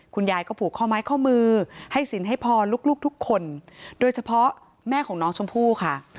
คุณยายก็ผูกข้อไม้ข้อมือให้สินให้พรลูกทุกคนโดยเฉพาะแม่ของน้องชมพู่ค่ะ